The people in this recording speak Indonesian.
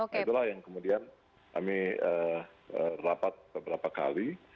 nah itulah yang kemudian kami rapat beberapa kali